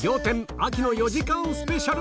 秋の４時間スペシャル。